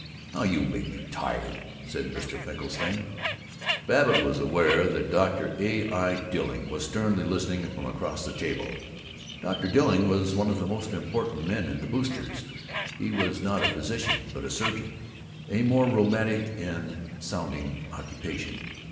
"Oh, you make me tired!" said Mr. Finkelstein. Babbitt was aware that Dr. A. I. Dilling was sternly listening from across the table. Dr. Dilling was one of the most important men in the Boosters'. He was not a physician but a surgeon, a more romantic and sounding occupation.